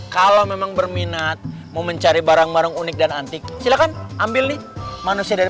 kalau memang berminat mau mencari barang barang unik dan antik silahkan ambil nih manusia dari